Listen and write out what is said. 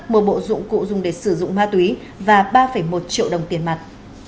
một bộ dụng cụ dùng để sử dụng ma túy và ba một triệu đồng tiền mặt